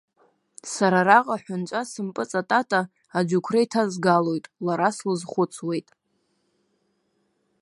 Сара араҟа аҳәынҵәа сымпыҵатата аџьықәреи ҭазгалоит, лара слызхәыцуеит.